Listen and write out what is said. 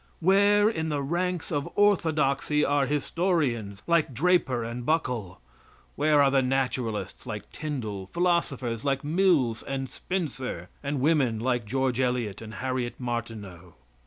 Where in the ranks of orthodoxy are historians like Draper and Buckle? Where are the naturalists like Tyndall, philosophers like Mills and Spencer, and women like George Eliot and Harriet Martineau?